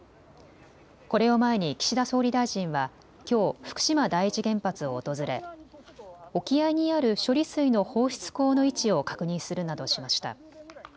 これを前に岸田総理大臣はきょう福島第一原発を訪れ沖合にある処理水の放出口の位置を確認するなどしました。